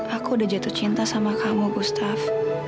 aku udah jatuh cinta sama kamu gustaf